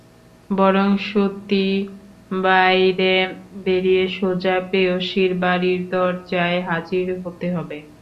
বরং সত্যিই বাইরে বেরিয়ে সোজা প্রেয়সীর বাড়ির দরজায় হাজির হতে হবে।